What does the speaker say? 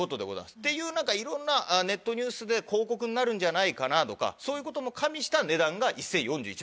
っていう中いろんなネットニュースで広告になるんじゃないかなとかそういうことも加味した値段が１０４１万円。